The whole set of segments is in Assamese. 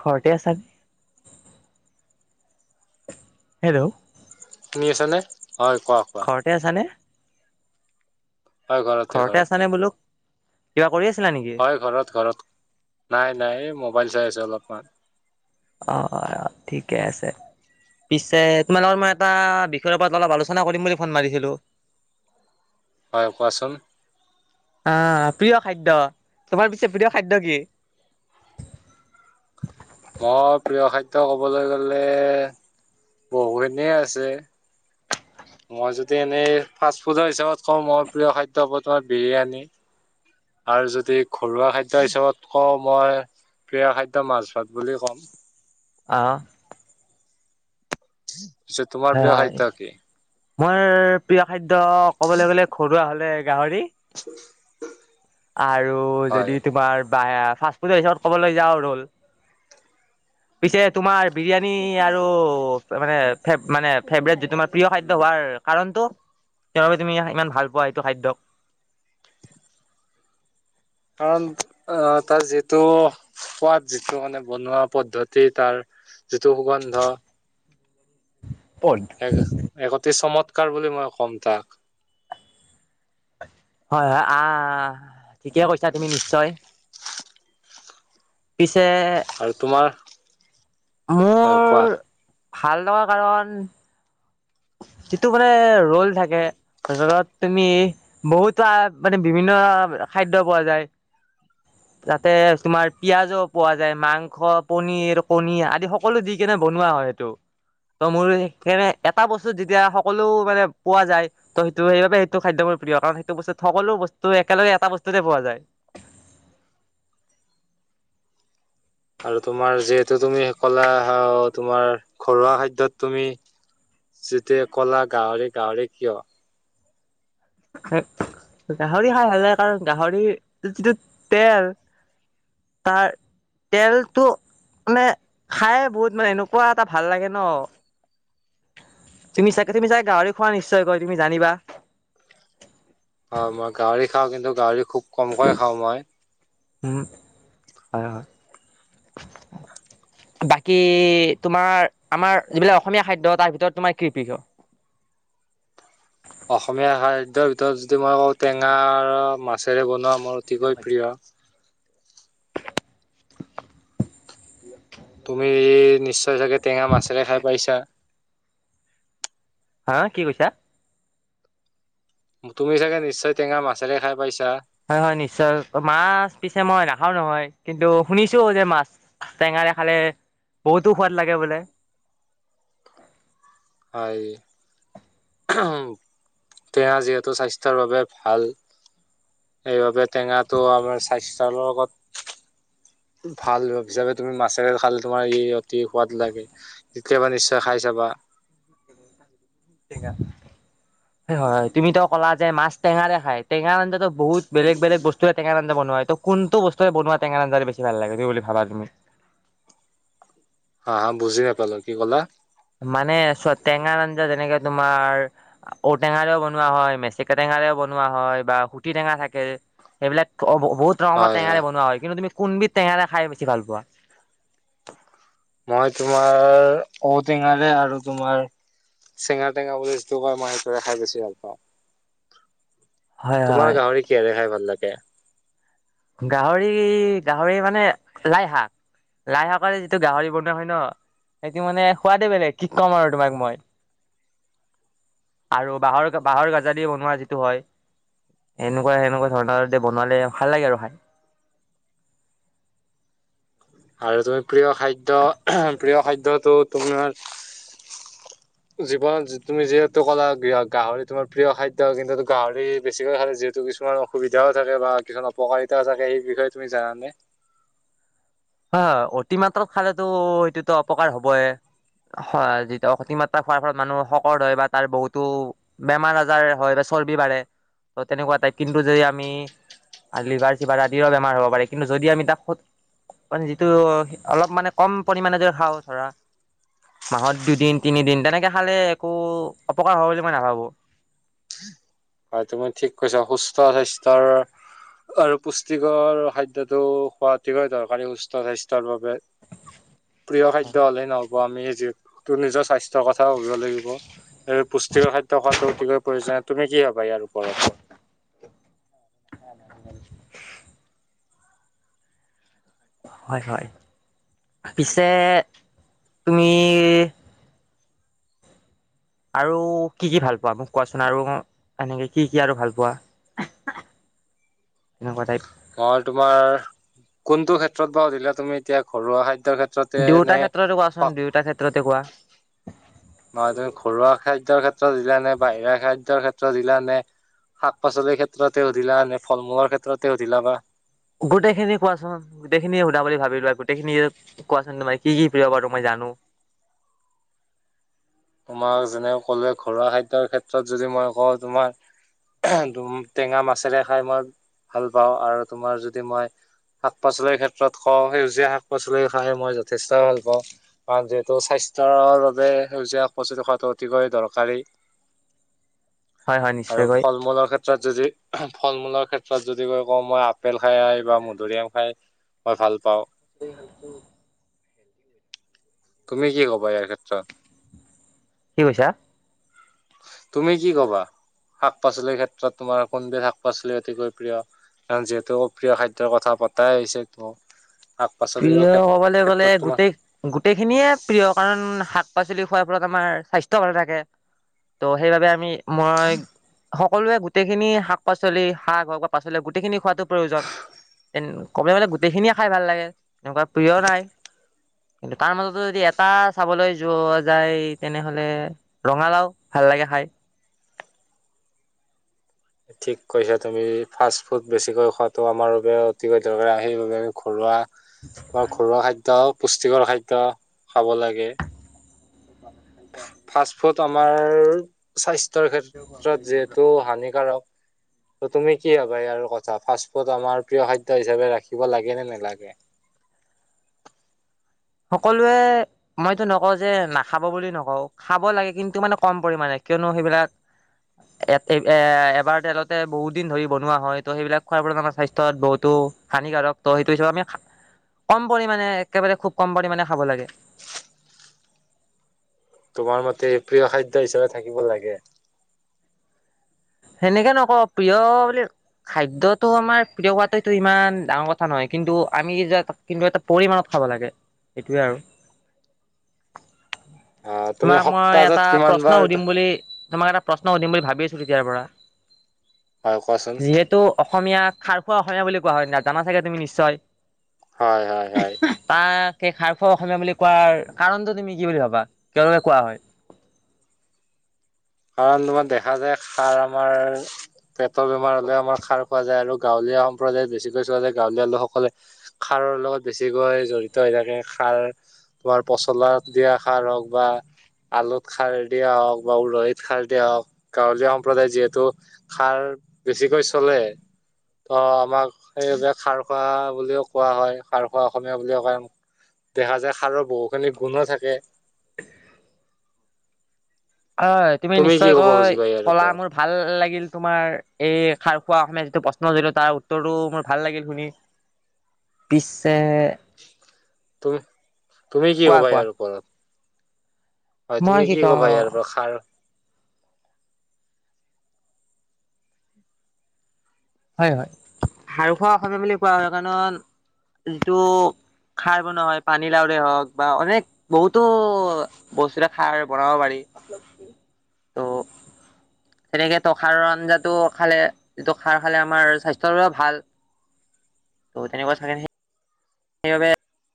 ঘৰতে আছানে? হেল্ল' শুনি আছা নে, হয়, কোৱা কোৱা। ঘৰতে আছানে? হয়, ঘৰতে আছানে ঘৰতে। বোলো? কিবা কৰি আছ হয় ঘৰত ঘৰত, নাই নাই, এই মোবাইল চাই আছোঁ অলপমান। অ' অ', ঠিকেই আছে। পিছে তোমাৰ লগত মই এটা বিষয়ৰ ওপৰত অলপ আলোচনা কৰিম বুলি ফোন মাৰিছিলোঁ। [inaudible] হয়, কোৱাচোন। আ-প্ৰিয় খাদ্য, তোমাৰ পিছে প্ৰিয় খাদ্য কি? [inaudible] মোৰ প্ৰিয় খাদ্য ক'বলৈ গ'লে, বহুখিনিয়ে আছে মই যদি এনেই ফাষ্ট ফুডৰ হিচাপত কওঁ মোৰ প্ৰিয় খাদ্য হ'ব তোমাৰ বিৰিয়ানী আৰু যদি ঘৰুৱা খাদ্য হিচাপত কওঁ মই প্ৰিয় খাদ্য মাছ ভাত বুলিয়ে ক'ম। অ' পিছে তোমাৰ হয়। প্ৰিয় হয়। খাদ্য কি? মোৰ প্ৰিয় খাদ্য ক'বলৈ গ'লে ঘৰুৱা হ'লে গাহৰি [inaudible] আৰু হয় যদি তোমাৰ বা ফাষ্টফুডৰ হিচাপত ক'বলৈ যাওঁ ৰ'ল। [inaudible] পিছে তোমাৰ বিৰিয়ানী আৰু মানে ফেভ-মানে ফেভৰেট যি তোমাৰ প্ৰিয় খাদ্য হোৱাৰ কাৰণটো, কিহৰ বাবে তুমি ইমান ভাল পোৱা সেইটো খাদ্যক? কাৰণ, আ তাৰ যিটো সোৱাদ, যিটো মানে বনোৱা পদ্ধতি তাৰ যিটো সুগন্ধ পদ এক এক অতি চমৎকাৰ বুলি মই কম তাক হয় হয় আহ, ঠিকে কৈছা তুমি নিশ্চয় পিছ আৰু তোমাৰ, হয় মোৰ কোৱা ভাল লগা কাৰণ যিটো মানে ৰোল থাকে, ৰোলত তুমি বহুত বাৰ, মানে বিভিন্ন খাদ্য পোৱা যায়। যাতে তোমাৰ পিয়াজো পোৱা যায়। মাংস, পনিৰ, কণী আদি সকলো দি কেনে বনোৱা হয়। সেইটো, তহ মোৰো সেকাণে এট এটা বস্তু যেতিয়া সকলো মানে পোৱা যায়, তহ সেইটো সেইবাবে সেইটো খাদ্য মোৰ প্ৰিয়, কাৰণ সেইটো বস্তুত সকলো বস্তু তহ একেলগে এটা বস্তুতে পোৱা যায়। আৰু তোমাৰ যিহেতু তুমি কলা হয়, তোমাৰ ঘৰুৱা খাদ্যত তুমি যেতিয়া কলা গাহৰি গাহৰি, কিয়? হে গাহৰি খাই ভাল লাগে, কাৰণ গাহৰি যিটো তেল তাৰ তেলটো মানে খাই বহুত মানে এনেকুৱা এটা ভাল লাগে নহ তুমি চাগে, তুমি চাগে গাহৰি খোৱা নিশ্চয়, কৈ তুমি জানিবা অহ মই গাহৰি খাওঁ, কিন্তু গাহৰি খুব কমকৈ খাওঁ মই উম, ‌ হয় হয় বাকী তোমাৰ, আমাৰ যিবিলাক অসমীয়া খাদ্য তাৰ ভিতৰত তোমাৰ কৃপিহ [inaudible] অসমীয়া খাদ্যৰ ভিতৰত যদি মই কওঁ, টেঙা আৰু মাছেৰে বনোৱা মোৰ অতিকৈ প্ৰিয় তুমি নিশ্চয় চাগে টেঙা মাছেৰে খাই পাইছা। হা কি কৈছা? তুমি চাগে নিশ্চয় টেঙা মাছেৰে খাই পাইছা? হয় হয় নিশ্চয়, মাছ পিছে মই নাখাও নহয় কিন্তু শুনিছো যে মাছ টেঙা খালে বহুতো সোৱাদ লাগে বোলে। হয়। টেঙা যিহেতু স্বাস্থ্যৰ বাবে ভাল। সেইবাবে টেঙাটো আমাৰ স্বাস্থ্যৰ লগত ভাল হিচাপে তুমি মাছেৰে খালে তোমাৰ ই অতি সোৱাদ লাগে কেতিয়াবা নিশ্চয় খাই চাবা। [inaudible] হয় তুমিতো ক'লা যে মাছ টেঙাৰে খাই টেঙা আ বহুত বেলেগ - বেলেগ বস্তুেটেঙা বনাই তটো কোনটো বস্তুৰে বনোৱা টেঙা আঞ্জ বেছি ভাল লাগে ত বুলি ভাবা তুমি [inaudible] হা হা, বুজি নাপালো কি কলা? মানে ছোৱা টেঙা আঞ্জা যেনেকে তোমাৰ ঔটেঙাও বনোৱা হয় মেচিকা টেঙা বনোৱা হয়, বা সুটি টেঙা থাকে সেইবিলাক বহুত ৰঙৰ টেঙোৰে বনোৱা হয় কিন্তু তুমি কোনবিধ টেঙোৰে খাই বেছি ভাল পোৱা? মই তোমাৰ ঔটেঙাৰে আৰু তোমাৰ চেঙা টেঙা বুলি যিটো কয়, মই সেইটোৰে খাই ভালে পাও। হয় তোমাৰ হয় গাহৰি কিহৰে খাই ভাল লাগে? গাহৰি- গাহৰি মানে লাই শাক। লাই শাকৰ এই যিটো গাহৰি বনোৱা হয় ন, সেইটো মানে সোৱাদে বেলেগ কি ক'ম আৰু তোমাক মই। আৰু বাঁহৰ-বাঁহৰ গাজা দি বনোৱা যিটো হয়। এনেকুৱা-সেনেকুৱা ধৰণৰ এতিয়া বনালে ভাল লাগে আৰু খায়। আৰু তুমি প্ৰিয় খাদ্য, প্ৰিয় খাদ্যটো তোমাৰ [inaudible] জীৱনত তুমি যিহেতু ক'লা গাহৰি তোমাৰ প্ৰিয় খাদ্য, কিন্তুটো গাহৰি বেছিকৈ খালে যিহেতু কিছুমান অসুবিধাও থাকে বা কিছুমান অপকাৰিতাও থাকে সেই বিষয়ে তুমি জানা নে? অতিমাত্ৰাত খালেতো সেইটোতো অপকাৰ হবই। হয়, যিহেতু অতিমাত্ৰা খোৱাৰ ফলত মানুহ শকত হয় বা তাৰ বহুতো বেমাৰ-আজাৰ হয়। বা, চৰ্বি বাঢ়ে, ত' তেনেকুৱা টাইপ। কিন্তু যদি আমি লিভাৰ-চিভাৰ আদিৰো বেমাৰ হ'ব পাৰে। কিন্তু যদি আমি তাক মানে যিটো অলপ মানে কম পৰিমানে যদি খাওঁ ধৰা। মাহত দুদিন-তিনিদিন তেনেকে খালে একো অপকাৰ হ'ব বুলি মই নাভাবোঁ। হয় তুমি ঠিক কৈছা। সুস্থ স্বাস্থ্যৰ আৰু পুষ্টিকৰ খাদ্যটো খোৱাতিক দৰকাৰী সুস্থ স্বাস্থ্যৰ বাবে, প্ৰিয় খাদ্য হ'লেই নহ'ব আমি যি তোৰ নিজৰ স্বাস্থ্যৰ কথা ভাবিব লাগিব। এই পুষ্টিকৰ খাদ্য খোৱাটো অতিকৈ প্ৰয়োজনীয়। তুমি কি ভাবা ইয়াৰ ওপৰত? নাই নাই [inaudible] হয় হয়, পিছে তুমি আৰু কি কি ভাল পোৱা মোক কোৱাচোন, আৰু এনেকে কি কি আৰু ভাল পোৱা? তেনেকুৱা টাইপ। মই তোমাৰ কোনটো ক্ষেত্ৰত বা সুধিলা তুমি এতিয়া, ঘৰুৱা খাদ্য। দুয়োতাৰ ক্ষেত্ৰতে কোৱাচোন দুয়টাৰ ক্ষেত্ৰতে কোৱা নহ তুমি ঘৰুৱা খাদ্যৰ ক্ষেত্ৰত দিলা নে বাহিৰা খাদ্যৰ ক্ষেত্ৰত দিলানে শাক পাচলিৰ ক্ষেত্ৰতে সুধিলা নে ফল মূলৰ ক্ষেত্ৰতে সুধিলা বা গোটেইখিনি কোৱাচোন গোটেইখিনিয়ে সুধা বুলি ভাবিলো গোটেইখিনিয় কোৱাচোন তোম কি কি প্ৰিয় বাৰু তো মই জানো [unintelligible] তোমাক যেনেক কলে ঘৰুৱা খাদ্যৰ ক্ষেত্ৰত যদি মই কওঁ তোমাৰ টেঙা মাছেৰে খাই মই ভাল পাওঁ আৰু তোমাৰ যদি মই শাক পাচলিৰ ক্ষেত্ৰত খওঁ সেউজীয়া শাক পাচলি খাই মই যথেষ্ট ভাল পাওঁ কাৰণ যিহেতু স্বাস্থ স্বাস্থৰ বাবে সজীযপ্ৰচি থকাটো অতিকৈ দৰকাৰী হয় হয় আৰু নিশ্চয়কৈ ফল মূলৰ ক্ষেত্ৰত যদি ফল মূলৰ ক্ষেত্ৰত যদি কৈ কওঁ মই আপেল খাই বা মধুৰিআম খাই মই ভাল পাওঁ [unintelligible] তুমি কি ক'বা ইয়াৰ ক্ষেত্ৰত? কি কৈছা? তুমি কি ক'বা, শাক পাচলিৰ ক্ষেত্ৰত তোমাৰ কোনবিধ শাক-পাচলি অতিকৈ প্ৰিয়? কাৰণ যিহেতু প্ৰিয় খাদ্যৰ কথা পতাই হৈছে শাক পাচলিৰ প্ৰিয় ক্ষেত ক'বলৈ গ'লে, ক্ষেত্ৰত তোমাৰ গোটেই গোটেই খিনিয়ে প্ৰিয় কাৰণ শাক পাচলি খোৱাৰ ফলত আমাৰ স্বাস্থ্য ভালে থাকে, ত' সেইবাবে আমি মই সক সকলোৱে গোটেইখিনি শাক-পাচলি, শাক হওঁক বা পাচলি গোটেইখিনি খোৱাটো প্ৰয়োজন। ক'বলৈ গ'লে গোটেইখিনিয়ে খাই ভাল লাগে এনেকুৱা প্ৰিয় নাই। কিন্তু তাৰ মাজতেো যদি এটা চাবলৈ যোৱা যায় তেনেহ'লে, ৰঙালাও ভাল লাগে খাই ঠিক কৈছা তুমি ফাষ্ট ফুড বেছিকৈ খোৱাটো আমাৰ বাবে অতিকৈ দৰকাৰ আৰু সেইবাবে আমি ঘৰুৱা তোমাৰ ঘৰুৱা খাদ্য পুষ্টিকৰ খাদ্য খাব লাগে ফাষ্ট ফুড আমাৰ স্বাস্থ্যৰ ক্ষেত্ৰত যিহেতু হানিকাৰক [unintelligible] ত তুমি কি ভাবা ইয়াৰ কথা ফাষ্ট ফুড আমাৰ প্ৰিয় খাদ্য হিচাপে ৰাখিব লাগে নে নালাগে [unintelligible] সকলোৱে মইতো নকওঁ যে নাখাব বুলি নকওঁ খাব লাগে কিন্তু মানে কম পৰিমণে কিয়নো সেইবিলাক এ-এ-এ এবাৰ তেলতে বহুত দিন ধৰি বনোৱা হয়, ত' সেইবিলাক খোৱাৰ ফলত আমাৰ স্বাস্থ্যত বহুতো টো হানিকাৰক, ত' সেইটো-সেইটোকাৰণে কম পৰিমাণে একেবাৰে খুব কম পৰিমাণে খাব লাগে। তোমাৰ মতে প্ৰিয় খাদ্য হিচাপে থাকিব লাগে। সেনেকে নকওঁ প্ৰিয় বুলি খাদ্যটো আমাৰ প্ৰিয় হোৱাটো এইটো ইমান ডাঙৰ কথা নহয়, কিন্তু আমি যে, কিন্তু এটা পৰিমানত খাব লাগে, সেইটোৱেই আৰু। আহ তুমি তোমাক মই সপ্তাহত এটা কিমান বাৰ প্ৰশ্ন সুধিম বুলি তোমাক এটা প্ৰশ্ন সুধিম বুলি ভাবি আছো তেতিয়াৰ পৰা। হয় কোৱাচোন যিহেতু অসমীয়াক খাৰখুৱা অসমীয়া বুলি কোৱা হয়, জানা চাগে তুমি নিশ্চয়। হয় হয় হয়। তাক সেই খাৰখোৱাৱা অসমীয়া বুলি কোৱাৰ কাৰণটো তুমি কি বুলি ভাবা, কিহৰ কাৰণে কোৱা হয়? কাৰণ তোমাৰ দেখা যায় খাৰ আমাৰ, পেটৰ বেমাৰ হ'লেও আমাৰ খাৰ খোৱা যায়, আৰু গাঁৱলীয়া সম্প্ৰদায়ত বেছিকৈ চোৱা যায়, গাঁৱলীয়া লোকসকলে খাৰৰ লগত বেছিকৈ জড়িত হৈ থাকে, খাৰ তোমাৰ পচলা দিয়া খাৰ হওঁক বা আলুত খাৰ দিয়া হওঁক বা উৰহীত খাৰ দিয়া হওঁক, গাঁৱলীয়া সম্প্ৰদায়ত যিহেতু খাৰ বেছিকৈ চলে। ত' আমাক সেইবাবে খাৰখোৱা বুলিও কোৱা হয়, খাৰখোৱা অসমীয়া বুলিও কয়। দেখা যায় খাৰৰ বহুখিনি গুণো থাকে। হয়, তুমি কি ক'ব নিশ্চয়কৈ, খুজিবা ইয়াৰ ওপৰত কথাবোৰ ভাল লাগিল তোমাৰ, এই খাৰ খোৱা অসমীয়া যিটো প্ৰশ্ন সুধিলোঁ, তাৰ উত্তৰটো মোৰ ভাল লাগিল শুনি। পিছে তুমি-তুমি কি কোৱা ক'বা কোৱা ইয়াৰ ওপৰত? হয়, মই তুমি কি ক ক'বা ইয়াৰ ওপৰত, খাৰ হয় হয়, খাৰখোৱা অসমীয়া বুলি কোৱা হয়, কাৰণ, যিটো খাৰ বনোৱা হয়, পানী লাউৰে হওঁক বা অনেক বহুতো বস্তুৰে খাৰ বনাব পাৰি। [unintelligible] ত', তেনেকেতো খাৰৰ আঞ্জাটো খালে যিটো খাৰ খালে আমাৰ স্বাস্থ্যৰ বাবেও ভাল, ত' তেনেকুৱা চাগে সেই [inaudible]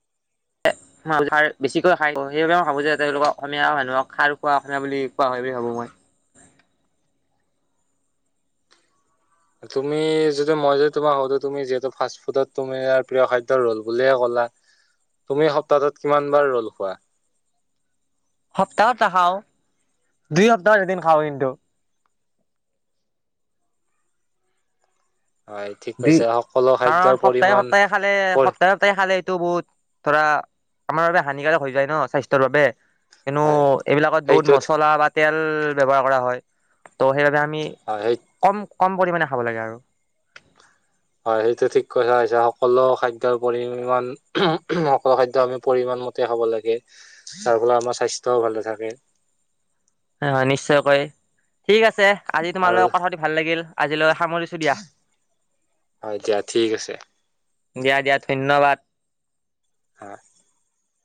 খাৰ বেছিকৈ খাই, সেইবাবে মই ভাবো যে তেওঁলোকক অসমীয়া মানুহক খাৰ খোৱা অসমীয়া বুলি কোৱা হয় বুলি ভাবো মই। হয় তুমি যদি মই যদি তোমাৰ সধো তুমি যিহেতু ফাষ্ট ফুডত তুমি প্ৰিয় খাদ্য ৰ'ল বুলিয়ে ক'ল তুমি সপ্তাহটোত কিমান বাৰ ৰ'ল খোৱা সপ্তাহত নাখাও অ দুই সপ্তাহৰ এদিন খাওঁ কিন্তু হয় ঠিক দুই কৈছা সকলো খাদ্যৰ কাৰণ সপ্তাহে পৰিমাণ সপ্তাহে খালে পৰি সপ্তাহে সপ্তাহে খালে এইটো বহুত ধৰা আমাৰ বাবে হানিকাৰক হৈ যায় ন স্বাস্থ্যৰ বাবে হেনো হয় এইবিলাকত বহুত সেইটোত মচলা বা তেল ব্যৱহাৰ কৰা হয় ত' সেইবাবে আমি হয় সেই কম কম পৰিমাণে খাব লাগে আৰু হয় সেইটো ঠিক কথা কৈছে সকলো খাদ্যৰ পৰিমান সকলো খাদ্য আমি পৰিমণ মতে হব লাগে তাৰ ফলত আমাৰ স্বাস্থ্যও ভালে থাকে। নিশ্চয়কৈ ঠিক আছে, আজি আৰু তোমালোক কথা পাতি ভাল লাগিল, আজিলৈ সামৰিছো দিয়া। হয় দিয়া ঠিক আছে। দিয়া দিয়া, ধন্যবাদ। হা?